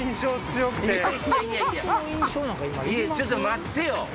ちょっと待ってよ！